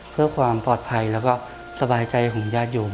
เพื่อความปลอดภัยแล้วก็สบายใจของญาติโยม